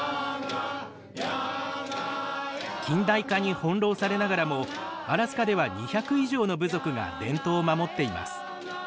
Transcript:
近代化に翻弄されながらもアラスカでは２００以上の部族が伝統を守っています。